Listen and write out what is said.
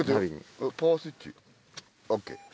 パワースイッチＯＫ。